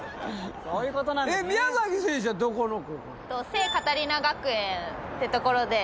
聖カタリナ学園ってところで。